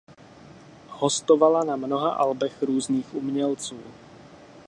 Hostovala na mnoha albech různých umělců.